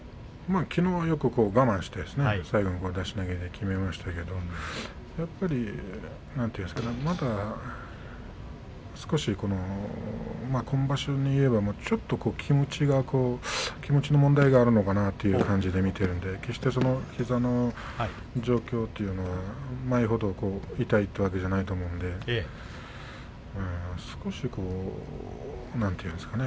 きのうはよく我慢して最後出し投げできめましたけれどやっぱりなんていうんですかまだ少し今場所で言えばちょっと気持ちの問題があるのかなという感じで見ているので決して膝の状況というのは前ほど痛いというわけではないと思うので少し何て言うんですかね